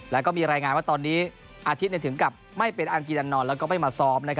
แล้วก็มีรายงานว่าตอนนี้อาทิตย์ถึงกับไม่เป็นอางกีดันนอนแล้วก็ไม่มาซ้อม